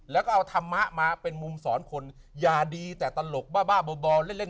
แล้วก็เอาธรรมะมาเป็นมุมสอนคนอย่าดีแต่ตลกบ้าบ้าบ่อเล่นเล่น